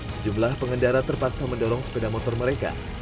sejumlah pengendara terpaksa mendorong sepeda motor mereka